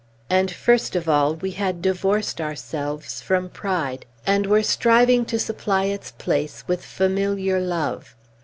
And, first of all, we had divorced ourselves from pride, and were striving to supply its place with familiar love.